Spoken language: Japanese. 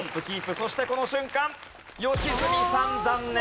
そしてこの瞬間良純さん残念！